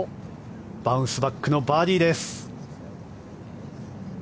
バウンスバックのバーディーです。